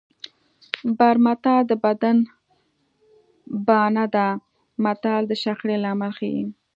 برمته د بدۍ بانه ده متل د شخړې لامل ښيي